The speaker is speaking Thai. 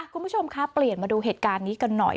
คุณผู้ชมคะเปลี่ยนมาดูเหตุการณ์นี้กันหน่อย